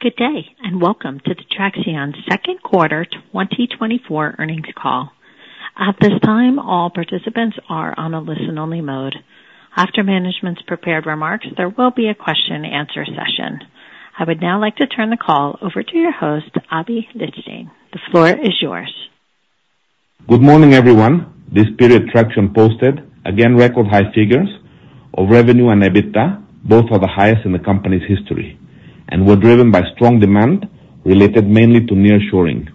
Good day, and welcome to the Traxión second quarter 2024 earnings call. At this time, all participants are on a listen-only mode. After management's prepared remarks, there will be a question and answer session. I would now like to turn the call over to your host, Aby Lijtszain. The floor is yours. Good morning, everyone. This period, Traxión posted again record high figures of revenue and EBITDA, both are the highest in the company's history, and were driven by strong demand related mainly to nearshoring.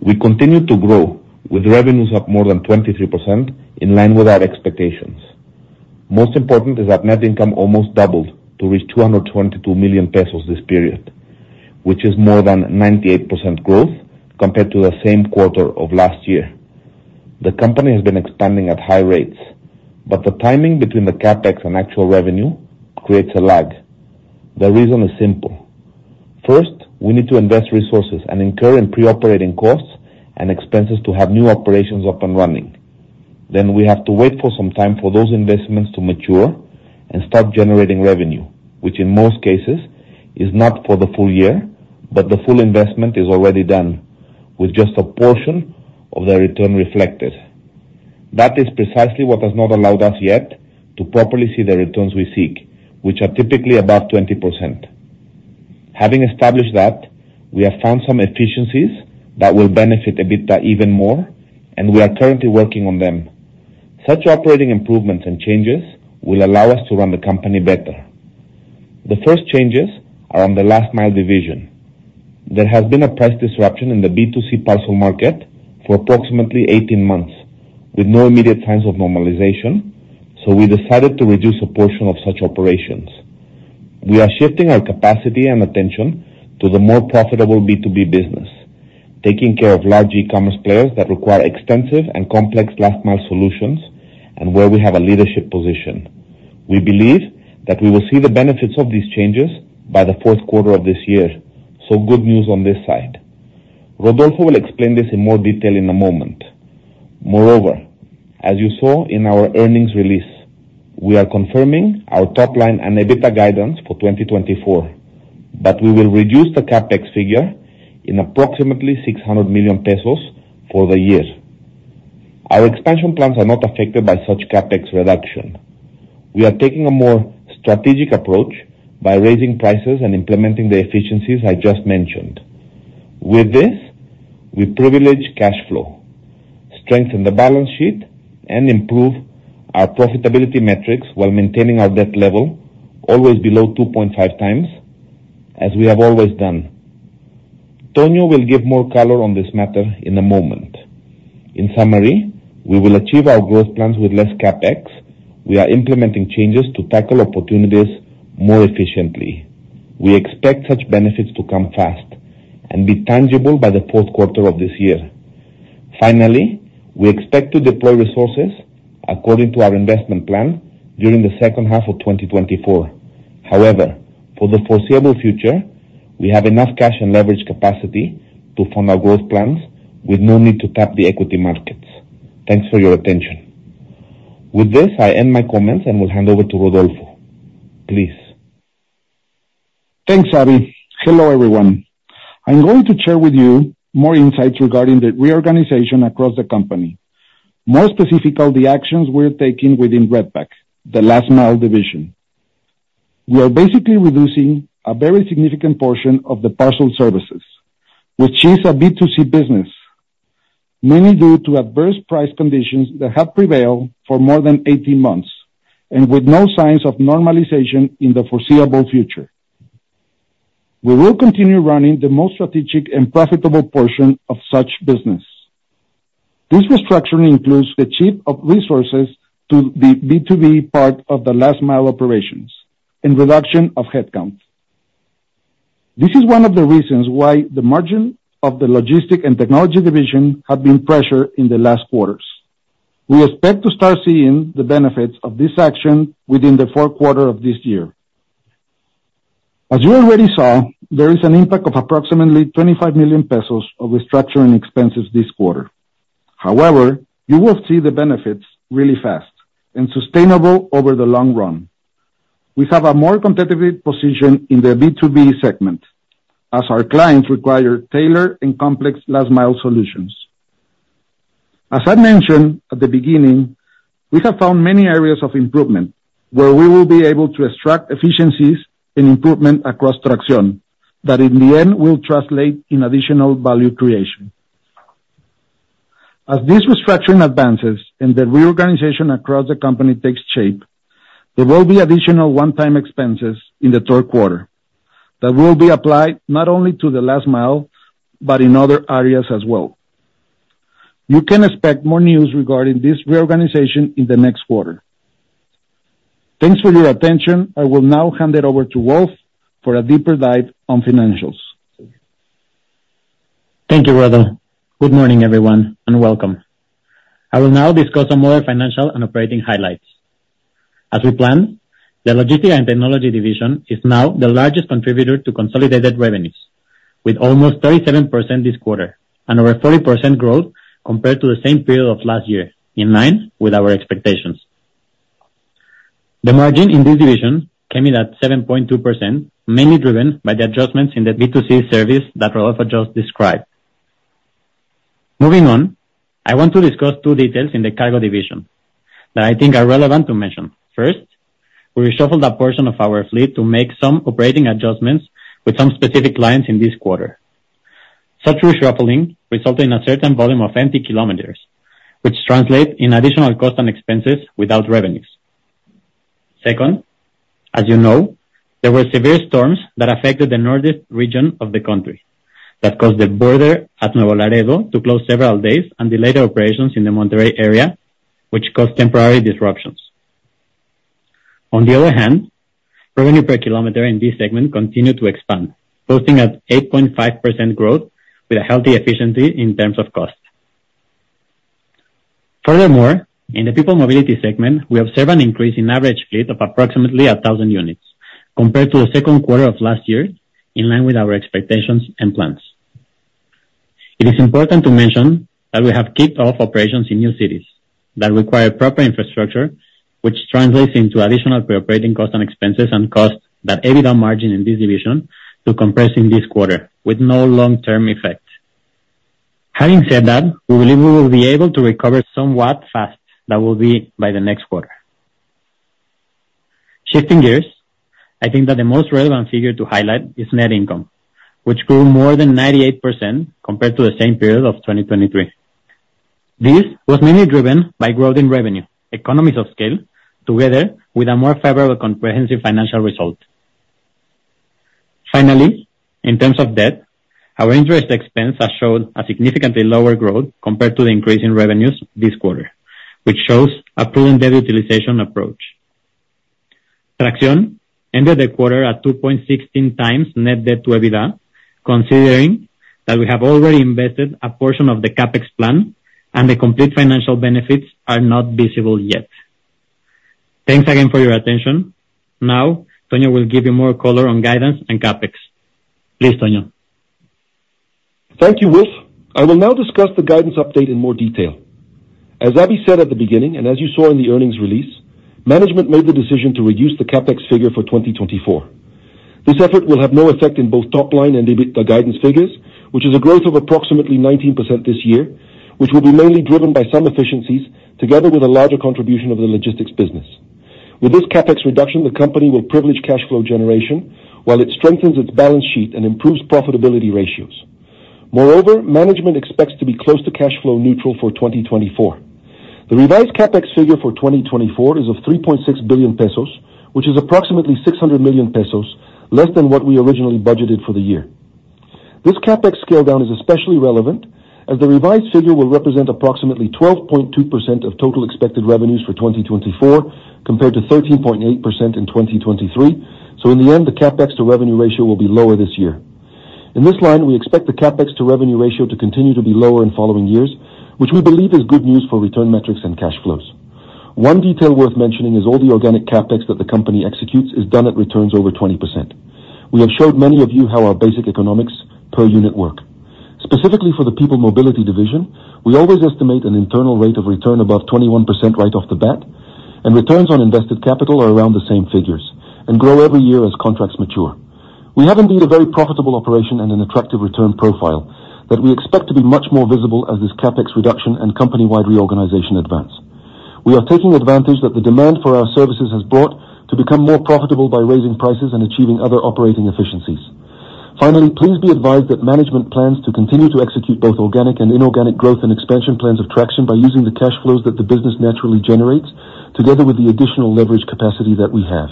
We continued to grow with revenues up more than 23%, in line with our expectations. Most important is that net income almost doubled to reach 222 million pesos this period, which is more than 98% growth compared to the same quarter of last year. The company has been expanding at high rates, but the timing between the CapEx and actual revenue creates a lag. The reason is simple: first, we need to invest resources and incur in pre-operating costs and expenses to have new operations up and running. We have to wait for some time for those investments to mature and start generating revenue, which in most cases is not for the full year, but the full investment is already done, with just a portion of the return reflected. That is precisely what has not allowed us yet to properly see the returns we seek, which are typically above 20%. Having established that, we have found some efficiencies that will benefit EBITDA even more, and we are currently working on them. Such operating improvements and changes will allow us to run the company better. The first changes are on the last mile division. There has been a price disruption in the B2C parcel market for approximately 18 months, with no immediate signs of normalization, so we decided to reduce a portion of such operations. We are shifting our capacity and attention to the more profitable B2B business, taking care of large e-commerce players that require extensive and complex last mile solutions, and where we have a leadership position. We believe that we will see the benefits of these changes by the fourth quarter of this year, so good news on this side. Rodolfo will explain this in more detail in a moment. Moreover, as you saw in our earnings release, we are confirming our top line and EBITDA guidance for 2024, but we will reduce the CapEx figure in approximately 600 million pesos for the year. Our expansion plans are not affected by such CapEx reduction. We are taking a more strategic approach by raising prices and implementing the efficiencies I just mentioned. With this, we privilege cash flow, strengthen the balance sheet, and improve our profitability metrics while maintaining our debt level always below 2.5 times, as we have always done. Tonio will give more color on this matter in a moment. In summary, we will achieve our growth plans with less CapEx. We are implementing changes to tackle opportunities more efficiently. We expect such benefits to come fast and be tangible by the fourth quarter of this year. Finally, we expect to deploy resources according to our investment plan during the second half of 2024. However, for the foreseeable future, we have enough cash and leverage capacity to fund our growth plans with no need to tap the equity markets. Thanks for your attention. With this, I end my comments and will hand over to Rodolfo. Please. Thanks, Aby. Hello, everyone. I'm going to share with you more insights regarding the reorganization across the company. More specifically, the actions we're taking within Redpack, the last mile division. We are basically reducing a very significant portion of the parcel services, which is a B2C business, mainly due to adverse price conditions that have prevailed for more than 18 months, and with no signs of normalization in the foreseeable future. We will continue running the most strategic and profitable portion of such business. This restructuring includes the shift of resources to the B2B part of the last mile operations and reduction of headcount. This is one of the reasons why the margin of the Logistics and Technology division have been pressured in the last quarters. We expect to start seeing the benefits of this action within the fourth quarter of this year. As you already saw, there is an impact of approximately 25 million pesos of restructuring expenses this quarter. However, you will see the benefits really fast and sustainable over the long run. We have a more competitive position in the B2B segment, as our clients require tailored and complex last mile solutions. As I mentioned at the beginning, we have found many areas of improvement, where we will be able to extract efficiencies and improvement across Traxión, that in the end will translate in additional value creation. As this restructuring advances and the reorganization across the company takes shape, there will be additional one-time expenses in the third quarter that will be applied not only to the last mile, but in other areas as well. You can expect more news regarding this reorganization in the next quarter. Thanks for your attention. I will now hand it over to Wolf for a deeper dive on financials. Thank you, Rodolfo. Good morning, everyone, and welcome. I will now discuss some more financial and operating highlights. As we planned, the Logistics and Technology division is now the largest contributor to consolidated revenues, with almost 37% this quarter and over 40% growth compared to the same period of last year, in line with our expectations. The margin in this division came in at 7.2%, mainly driven by the adjustments in the B2C service that Rodolfo just described. Moving on, I want to discuss two details in the cargo division that I think are relevant to mention. First, we reshuffled a portion of our fleet to make some operating adjustments with some specific clients in this quarter. Such reshuffling resulted in a certain volume of empty kilometers, which translate in additional cost and expenses without revenues. Second, as you know, there were severe storms that affected the northeast region of the country, that caused the border at Nuevo Laredo to close several days and delayed operations in the Monterrey area, which caused temporary disruptions. On the other hand, revenue per kilometer in this segment continued to expand, posting 8.5% growth with a healthy efficiency in terms of cost. Furthermore, in the people mobility segment, we observe an increase in average fleet of approximately 1,000 units compared to the second quarter of last year, in line with our expectations and plans. It is important to mention that we have kicked off operations in new cities that require proper infrastructure, which translates into additional operating costs and expenses, and caused the EBITDA margin in this division to compress in this quarter with no long-term effect. Having said that, we believe we will be able to recover somewhat fast, that will be by the next quarter. Shifting gears, I think that the most relevant figure to highlight is net income, which grew more than 98% compared to the same period of 2023. This was mainly driven by growth in revenue, economies of scale, together with a more favorable comprehensive financial result. Finally, in terms of debt, our interest expense has showed a significantly lower growth compared to the increase in revenues this quarter, which shows a proven debt utilization approach. Traxión ended the quarter at 2.16x net debt to EBITDA, considering that we have already invested a portion of the CapEx plan and the complete financial benefits are not visible yet. Thanks again for your attention. Now, Tonio will give you more color on guidance and CapEx. Please, Tonio. Thank you, Wolf. I will now discuss the guidance update in more detail. As Aby said at the beginning, and as you saw in the earnings release, management made the decision to reduce the CapEx figure for 2024. This effort will have no effect in both top line and EBITDA guidance figures, which is a growth of approximately 19% this year, which will be mainly driven by some efficiencies, together with a larger contribution of the logistics business. With this CapEx reduction, the company will privilege cash flow generation while it strengthens its balance sheet and improves profitability ratios. Moreover, management expects to be close to cash flow neutral for 2024. The revised CapEx figure for 2024 is of 3.6 billion pesos, which is approximately 600 million pesos, less than what we originally budgeted for the year. This CapEx scale down is especially relevant, as the revised figure will represent approximately 12.2% of total expected revenues for 2024, compared to 13.8% in 2023. So in the end, the CapEx to revenue ratio will be lower this year. In this line, we expect the CapEx to revenue ratio to continue to be lower in following years, which we believe is good news for return metrics and cash flows. One detail worth mentioning is all the organic CapEx that the company executes is done at returns over 20%. We have showed many of you how our basic economics per unit work. Specifically for the People Mobility division, we always estimate an internal rate of return above 21% right off the bat, and returns on invested capital are around the same figures and grow every year as contracts mature. We have indeed a very profitable operation and an attractive return profile, that we expect to be much more visible as this CapEx reduction and company-wide reorganization advance. We are taking advantage that the demand for our services has brought to become more profitable by raising prices and achieving other operating efficiencies. Finally, please be advised that management plans to continue to execute both organic and inorganic growth and expansion plans of Traxión by using the cash flows that the business naturally generates, together with the additional leverage capacity that we have.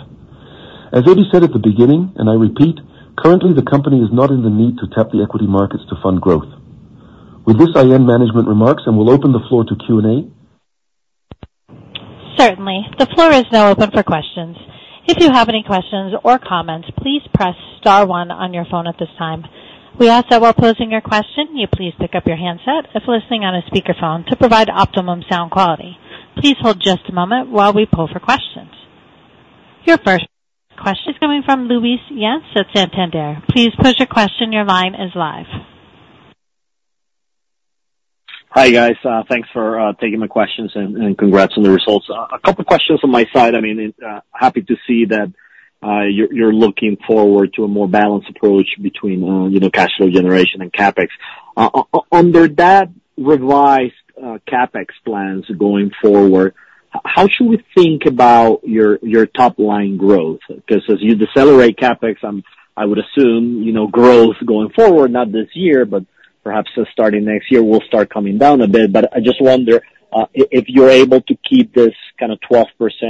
As Aby said at the beginning, and I repeat, currently, the company is not in the need to tap the equity markets to fund growth. With this, I end management remarks and will open the floor to Q&A. Certainly. The floor is now open for questions. If you have any questions or comments, please press star one on your phone at this time. We ask that while posing your question, you please pick up your handset if listening on a speakerphone to provide optimum sound quality. Please hold just a moment while we poll for questions. Your first question is coming from Luis Yance at Santander. Please pose your question, your line is live. Hi, guys, thanks for taking my questions and congrats on the results. A couple of questions on my side. I mean, happy to see that you're looking forward to a more balanced approach between you know, cash flow generation and CapEx. Under that revised CapEx plans going forward, how should we think about your top line growth? Because as you decelerate CapEx, I would assume you know, growth going forward, not this year, but perhaps starting next year, will start coming down a bit. But I just wonder if you're able to keep this kind of 12%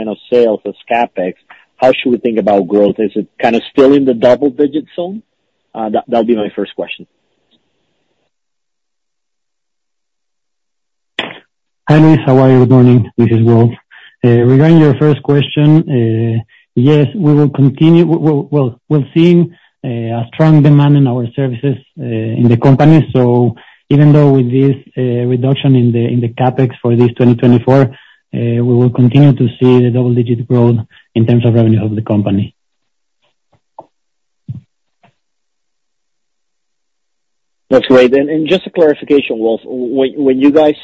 of sales as CapEx, how should we think about growth? Is it kind of still in the double-digit zone? That'll be my first question. Hi, Luis. How are you? Good morning. This is Wolf. Regarding your first question, yes, we will continue... We're seeing a strong demand in our services in the company. So even though with this reduction in the CapEx for this 2024, we will continue to see the double-digit growth in terms of revenue of the company. That's great! And just a clarification, Wolf. When you guys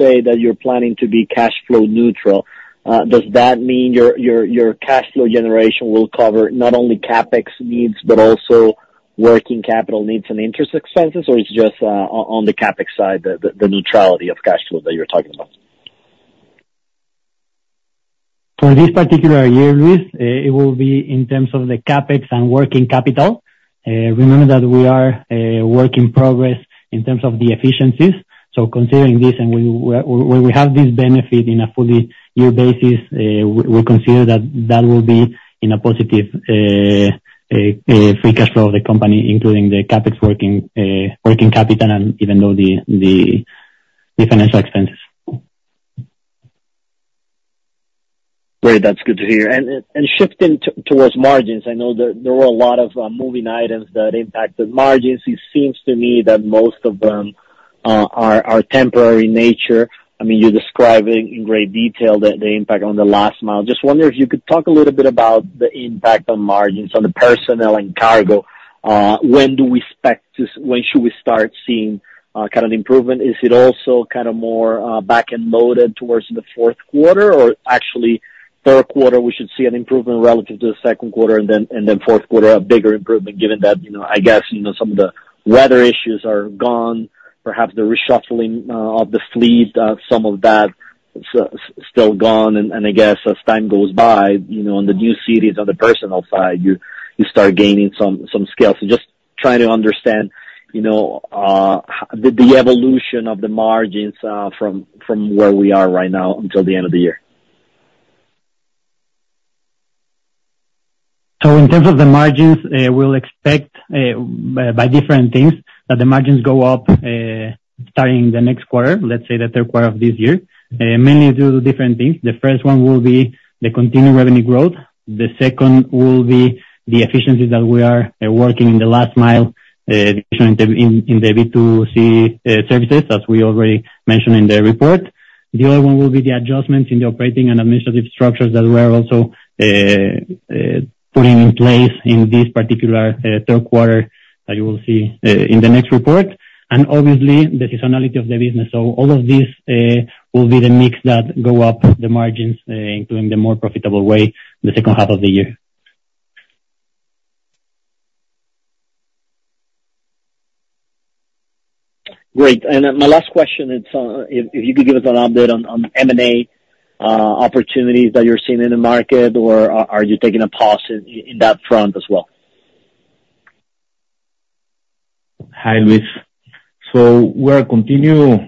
say that you're planning to be cash flow neutral, does that mean your cash flow generation will cover not only CapEx needs, but also working capital needs and interest expenses, or it's just on the CapEx side, the neutrality of cash flow that you're talking about? For this particular year, Luis, it will be in terms of the CapEx and working capital. Remember that we are work in progress in terms of the efficiencies, so considering this, and when we have this benefit in a full year basis, we consider that that will be in a positive free cash flow of the company, including the CapEx working working capital, and even though the the the financial expenses. Great, that's good to hear. And shifting towards margins, I know that there were a lot of moving items that impacted margins. It seems to me that most of them are of a temporary nature. I mean, you're describing in great detail the impact on the last mile. Just wonder if you could talk a little bit about the impact on margins on the people and cargo. When do we expect to... When should we start seeing kind of improvement? Is it also kind of more back-end loaded towards the fourth quarter or actually third quarter, we should see an improvement relative to the second quarter, and then fourth quarter, a bigger improvement, given that, you know, I guess, you know, some of the weather issues are gone, perhaps the reshuffling of the fleet, some of that still gone, and I guess as time goes by, you know, and the new cities on the personal side, you start gaining some scale. So just trying to understand, you know, the evolution of the margins from where we are right now until the end of the year. So in terms of the margins, we'll expect, by different things, that the margins go up, starting the next quarter, let's say the third quarter of this year. Mainly due to different things. The first one will be the continued revenue growth. The second will be the efficiencies that we are working in the last mile, in the B2C services, as we already mentioned in the report. The other one will be the adjustments in the operating and administrative structures that we're also putting in place in this particular third quarter, that you will see in the next report. And obviously, the seasonality of the business. So all of these will be the mix that go up the margins, including the more profitable way, the second half of the year. Great. And then my last question is, if you could give us an update on M&A opportunities that you're seeing in the market, or are you taking a pause in that front as well? Hi, Luis. We are continue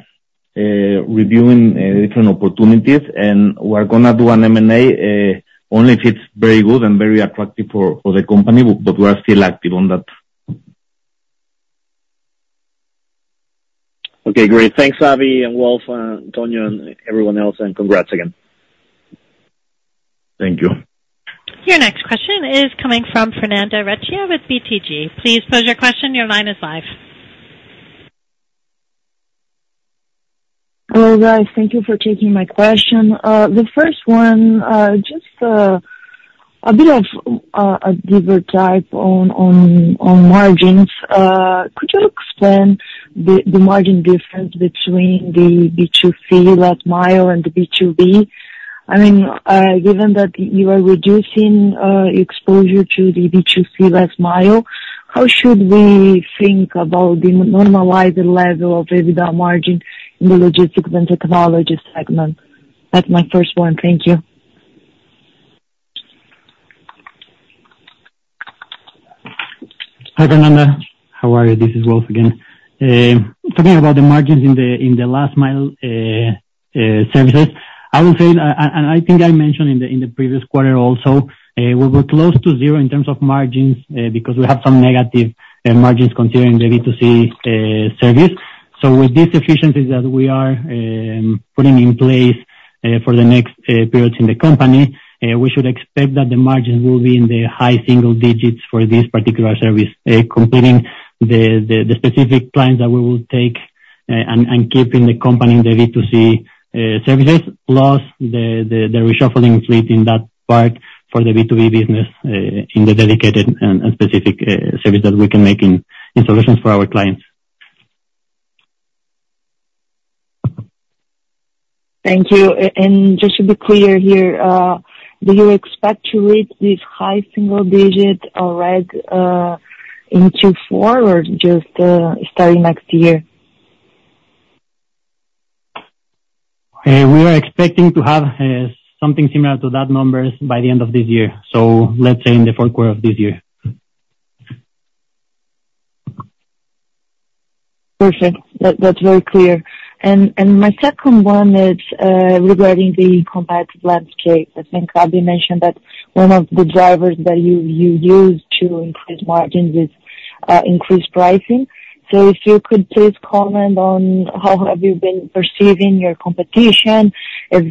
reviewing different opportunities, and we're gonna do an M&A only if it's very good and very attractive for, for the company, but we are still active on that. Okay, great. Thanks, Aby and Wolf, Antonio, and everyone else, and congrats again. Thank you. Your next question is coming from Fernanda Recchia with BTG. Please pose your question. Your line is live. Hello, guys. Thank you for taking my question. The first one, just a bit of a deeper dive on margins. Could you explain the margin difference between the B2C last mile and the B2B? I mean, given that you are reducing exposure to the B2C last mile, how should we think about the normalized level of EBITDA margin in the Logistics and Technology segment? That's my first one. Thank you. Hi, Fernanda. How are you? This is Wolf again. Talking about the margins in the last mile services, I would say, and I think I mentioned in the previous quarter also, we were close to zero in terms of margins, because we have some negative margins considering the B2C service. So with these efficiencies that we are putting in place for the next periods in the company, we should expect that the margins will be in the high single digits for this particular service, completing the specific plans that we will take, and keeping the company in the B2C services, plus the reshuffling fleet in that part for the B2B business, in the dedicated and specific service that we can make in solutions for our clients. Thank you. And just to be clear here, do you expect to reach this high single digit already, in Q4 or just, starting next year? We are expecting to have something similar to that numbers by the end of this year, so let's say in the fourth quarter of this year. Perfect. That, that's very clear. And, and my second one is, regarding the competitive landscape. I think Aby mentioned that one of the drivers that you, you use to increase margins is, increased pricing. So if you could please comment on how have you been perceiving your competition, if,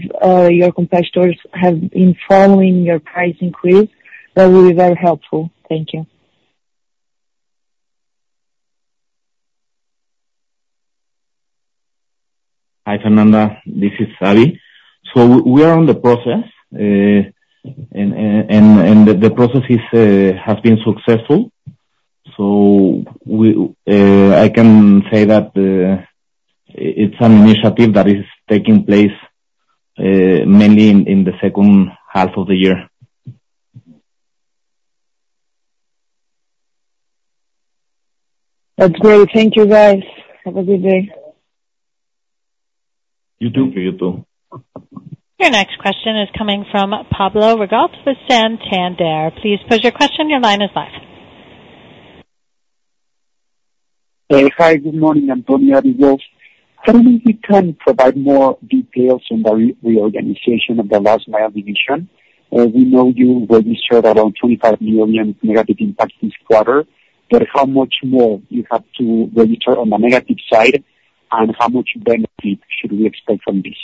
your competitors have been following your price increase, that will be very helpful. Thank you. Hi, Fernanda, this is Abi. So we are in the process, and the process has been successful. So I can say that it's an initiative that is taking place mainly in the second half of the year. That's great. Thank you, guys. Have a good day. You, too. You, too. Your next question is coming from Pablo Ricalde with Santander. Please pose your question. Your line is live. Hi, good morning, Antonio, Rodolfo. Maybe you can provide more details on the reorganization of the Last Mile division. We know you registered around 25 million negative impact this quarter, but how much more you have to register on the negative side, and how much benefit should we expect from this?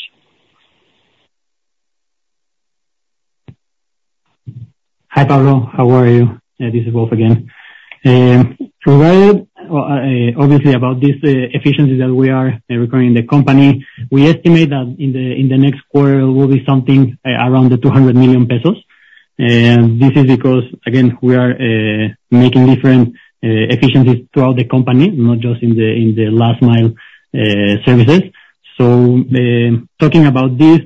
Hi, Pablo, how are you? This is Wolf again. Provided, obviously, about this efficiency that we are incurring in the company, we estimate that in the next quarter will be something around 200 million pesos. And this is because, again, we are making different efficiencies throughout the company, not just in the last mile services. So, talking about this,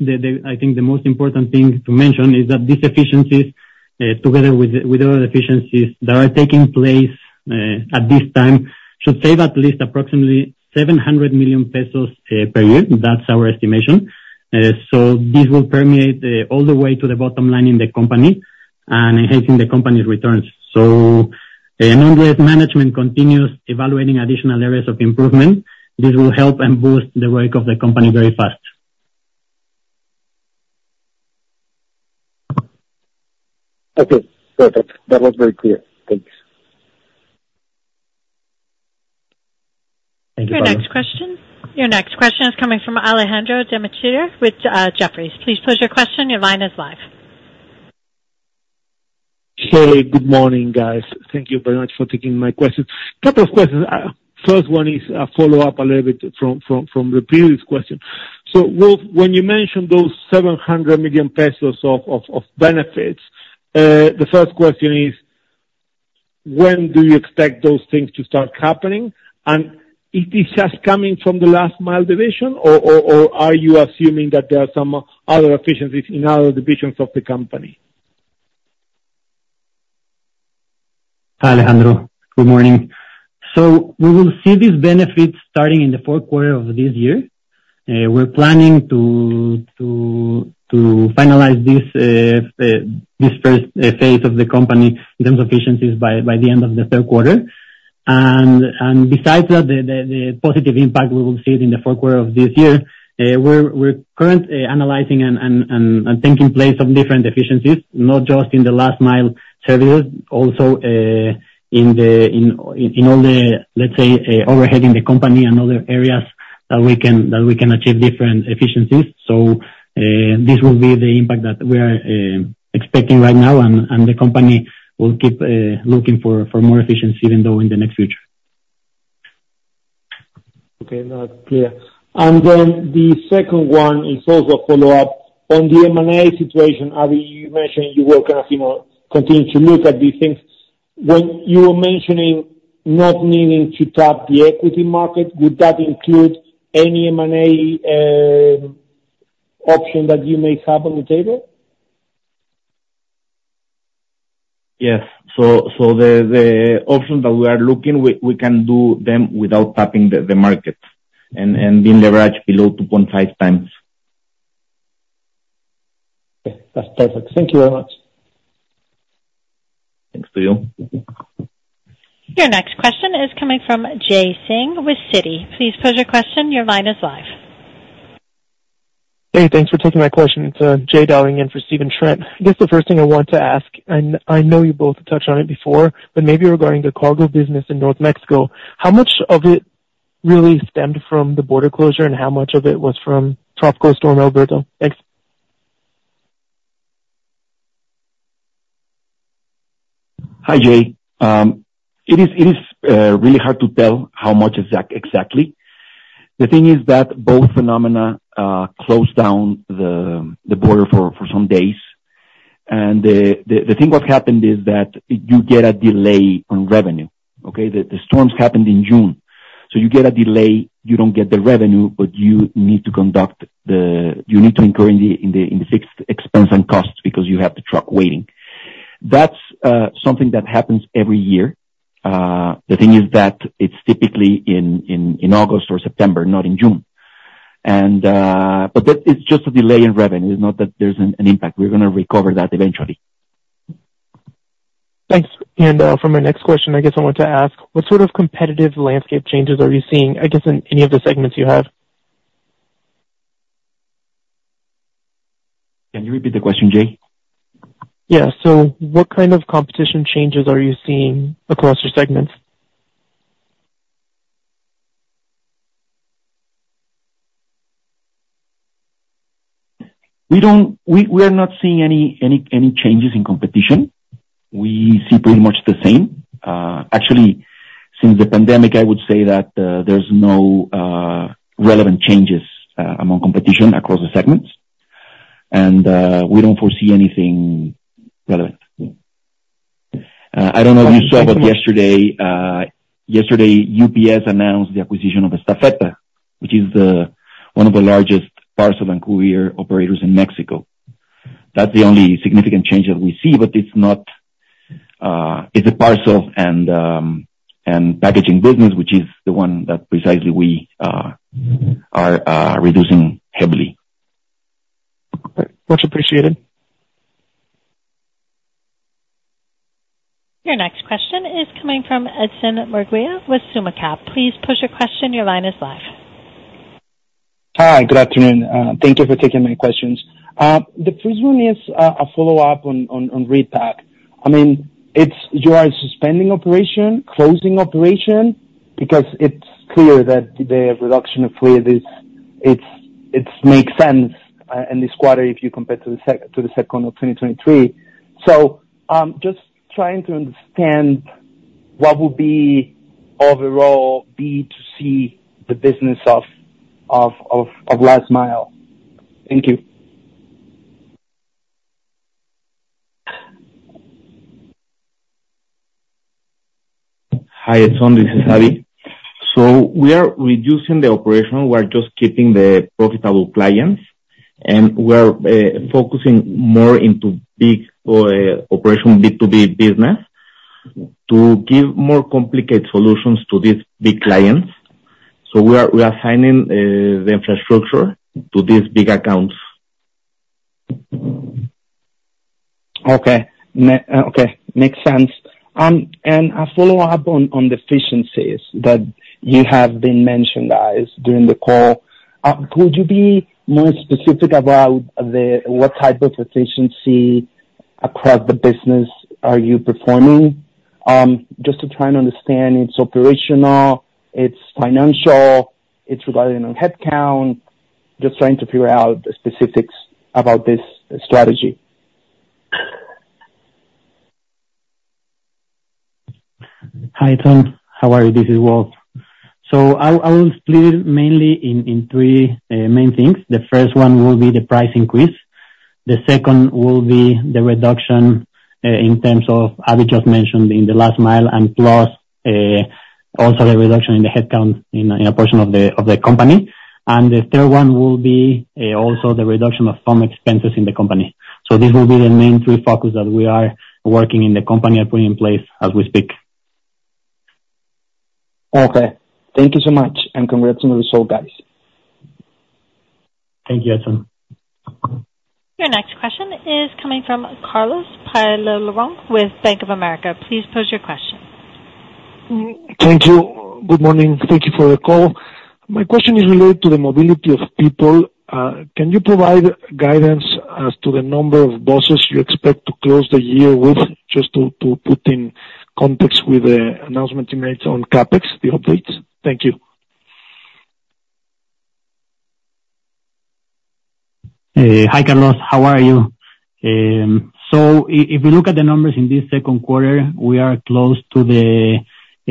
I think the most important thing to mention is that these efficiencies, together with other efficiencies that are taking place at this time, should save at least approximately 700 million pesos per year. That's our estimation. So this will permeate all the way to the bottom line in the company and enhancing the company's returns. As management continues evaluating additional areas of improvement, this will help and boost the work of the company very fast. Okay, perfect. That was very clear. Thanks. Thank you, Pablo. Your next question. Your next question is coming from Alejandro Demichelis with Jefferies. Please pose your question. Your line is live. Hey, good morning, guys. Thank you very much for taking my questions. Couple of questions. First one is a follow-up a little bit from the previous question. So Wolf, when you mentioned those 700 million pesos of benefits, the first question is: When do you expect those things to start happening? And is this just coming from the Last Mile division, or are you assuming that there are some other efficiencies in other divisions of the company? Hi, Alejandro. Good morning. So we will see these benefits starting in the fourth quarter of this year. We're planning to finalize this first phase of the company in terms of efficiencies by the end of the third quarter. And besides that, the positive impact we will see it in the fourth quarter of this year. We're currently analyzing and taking place some different efficiencies, not just in the last mile services, also in all the, let's say, overhead in the company and other areas that we can achieve different efficiencies. So this will be the impact that we are expecting right now, and the company will keep looking for more efficiency even though in the next future. Okay, now, clear. And then the second one is also a follow-up. On the M&A situation, Abi, you mentioned you were kind of, you know, continuing to look at these things. When you were mentioning not needing to tap the equity market, would that include any M&A option that you may have on the table? Yes. So, the options that we are looking, we can do them without tapping the market and being leveraged below 2.5x. Okay. That's perfect. Thank you very much. Thanks to you. Your next question is coming from Jay Singh with Citi. Please pose your question. Your line is live. Hey, thanks for taking my question. It's Jay dialing in for Stephen Trent. I guess the first thing I want to ask, and I know you both touched on it before, but maybe regarding the cargo business in North Mexico, how much of it really stemmed from the border closure, and how much of it was from Tropical Storm Alberto? Thanks. Hi, Jay. It is really hard to tell how much exactly. The thing is that both phenomena closed down the border for some days. And the thing what happened is that you get a delay on revenue, okay? The storms happened in June, so you get a delay. You don't get the revenue, but you need to incur in the fixed expense and costs because you have the truck waiting. That's something that happens every year. The thing is that it's typically in August or September, not in June. And but that is just a delay in revenue. It's not that there's an impact. We're gonna recover that eventually. Thanks. For my next question, I guess I want to ask what sort of competitive landscape changes are you seeing, I guess, in any of the segments you have? Can you repeat the question, Jay? Yeah. So what kind of competition changes are you seeing across your segments? We don't see any changes in competition. We see pretty much the same. Actually, since the pandemic, I would say that there's no relevant changes among competition across the segments. And we don't foresee anything relevant. I don't know if you saw, but yesterday UPS announced the acquisition of Estafeta, which is one of the largest parcel and courier operators in Mexico. That's the only significant change that we see, but it's not, it's a parcel and packaging business, which is the one that precisely we are reducing heavily. Much appreciated. Your next question is coming from Edson Murguía, with Suma Capital. Please push your question. Your line is live. Hi, good afternoon. Thank you for taking my questions. The first one is a follow-up on Redpack. I mean, it's you are suspending operation, closing operation? Because it's clear that the reduction of fleet is, it makes sense in this quarter, if you compare to the second of 2023. So, just trying to understand what will be overall B to C, the business of last mile. Thank you. Hi, Edson, this is Aby. So we are reducing the operation. We are just keeping the profitable clients, and we are focusing more into big operation, B2B business, to give more complicated solutions to these big clients. So we are, we are assigning the infrastructure to these big accounts. Okay. Okay, makes sense. And a follow-up on the efficiencies that you have been mentioned, guys, during the call. Could you be more specific about the what type of efficiency across the business are you performing? Just to try and understand, it's operational, it's financial, it's relying on headcount, just trying to figure out the specifics about this strategy. Hi, Tom, how are you? This is Wolf. So I, I will split it mainly in, in three main things. The first one will be the price increase. The second will be the reduction in terms of, Aby just mentioned, in the last mile, and plus also the reduction in the headcount in a, in a portion of the, of the company. And the third one will be also the reduction of some expenses in the company. So this will be the main three focus that we are working in the company and putting in place as we speak. Okay. Thank you so much, and congrats on the results, guys. Thank you, Edson. Your next question is coming from Carlos Peyrelongue, with Bank of America. Please pose your question. Thank you. Good morning. Thank you for the call. My question is related to the mobility of people. Can you provide guidance as to the number of buses you expect to close the year with, just to put in context with the announcement you made on CapEx, the updates? Thank you. Hi, Carlos, how are you? So if we look at the numbers in this second quarter, we are close to the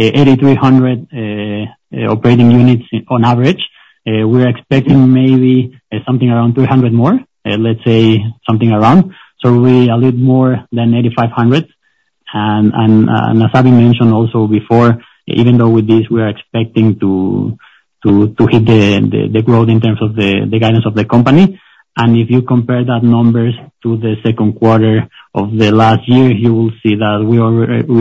8,300 operating units on average. We're expecting maybe something around 300 more, let's say something around. So really a little more than 8,500. And as Aby mentioned also before, even though with this, we are expecting to hit the growth in terms of the guidance of the company. And if you compare that numbers to the second quarter of the last year, you will see that we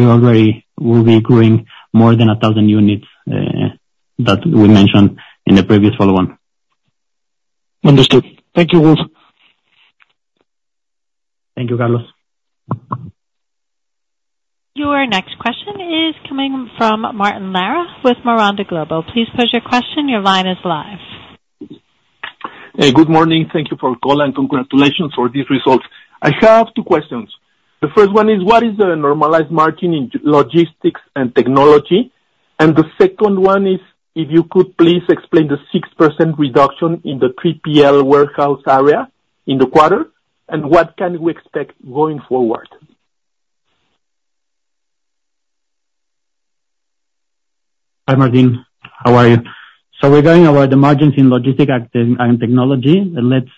already will be growing more than 1,000 units that we mentioned in the previous follow-on. Understood. Thank you, Wolf. Thank you, Carlos. Your next question is coming from Martin Lara, with Miranda Global. Please pose your question. Your line is live. Good morning. Thank you for calling, congratulations for these results. I have two questions. The first one is: What is the normalized margin in logistics and technology? And the second one is, if you could please explain the 6% reduction in the 3PL warehouse area in the quarter, and what can we expect going forward? Hi, Martin. How are you? So regarding about the margins in Logistics and Technology,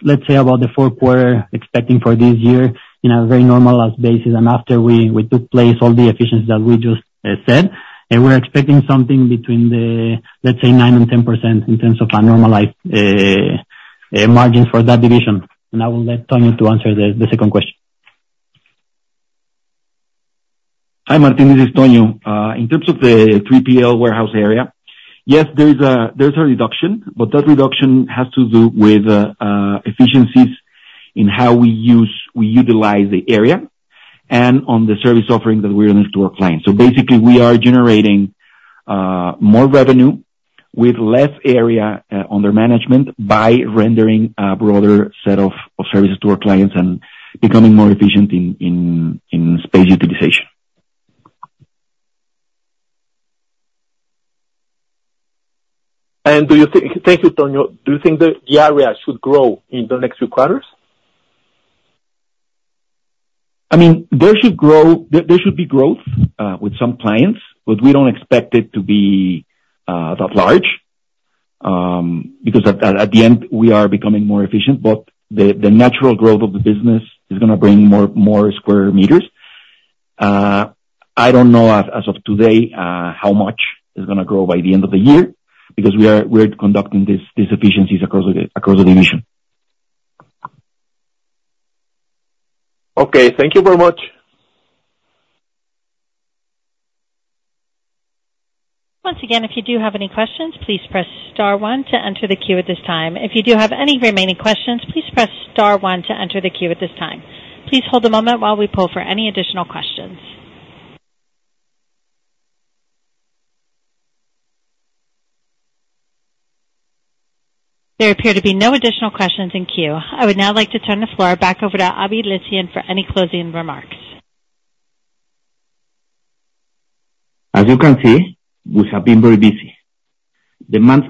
let's say about the fourth quarter, expecting for this year, in a very normalized basis, and after we took place all the efficiencies that we just said, and we're expecting something between the, let's say, 9% and 10% in terms of a normalized margin for that division. And I will let Tonio to answer the second question. Hi, Martin, this is Tonio. In terms of the 3PL warehouse area, yes, there is a reduction, but that reduction has to do with efficiencies in how we use, we utilize the area, and on the service offering that we're offering to our clients. So basically, we are generating more revenue with less area under management by rendering a broader set of services to our clients and becoming more efficient in space utilization. And do you think- thank you, Tonio. Do you think the area should grow in the next few quarters? I mean, there should be growth with some clients, but we don't expect it to be that large, because at the end, we are becoming more efficient. But the natural growth of the business is gonna bring more square meters. I don't know as of today how much it's gonna grow by the end of the year, because we're conducting these efficiencies across the region. Okay, thank you very much. Once again, if you do have any questions, please press star one to enter the queue at this time. If you do have any remaining questions, please press star one to enter the queue at this time. Please hold a moment while we poll for any additional questions. There appear to be no additional questions in queue. I would now like to turn the floor back over to Aby Lijtszain for any closing remarks. As you can see, we have been very busy. Demand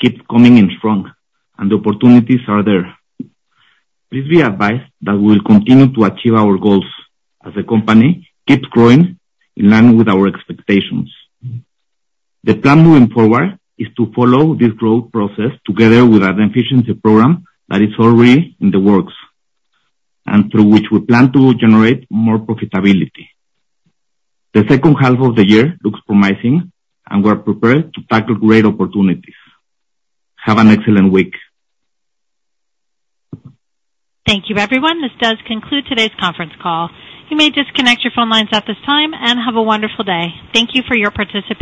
keeps coming in strong, and the opportunities are there. Please be advised that we will continue to achieve our goals as the company keeps growing in line with our expectations. The plan moving forward is to follow this growth process together with an efficiency program that is already in the works, and through which we plan to generate more profitability. The second half of the year looks promising, and we're prepared to tackle great opportunities. Have an excellent week. Thank you, everyone. This does conclude today's conference call. You may disconnect your phone lines at this time, and have a wonderful day. Thank you for your participation.